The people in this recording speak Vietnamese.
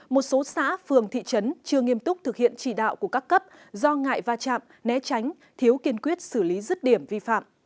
một số xã phường thị trấn chưa nghiêm túc thực hiện chỉ đạo của các cấp do ngại va chạm né tránh thiếu kiên quyết xử lý rứt điểm vi phạm